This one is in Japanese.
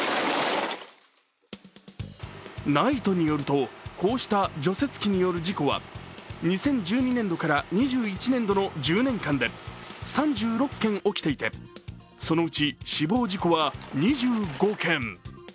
ＮＩＴＥによると、こうした除雪機による事故は２０１２年度から２１年度の１０年間で３６件起きていて、そのうち死亡事故は２５件。